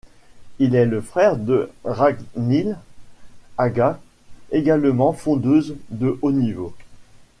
Il est le frère de Ragnhild Haga, également fondeuse de haut niveau.